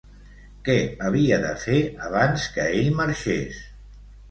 Què havia de fer abans que ell marxés?